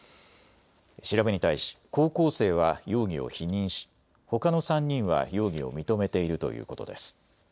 調べに対し高校生は容疑を否認しほかの３人は容疑を認めているということです。